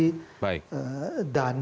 dana atau apa yang lain